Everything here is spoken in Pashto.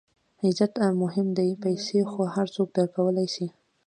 عزت مهم دئ، پېسې خو هر څوک درلودلای سي.